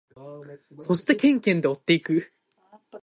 そしてケンケンで追っていく。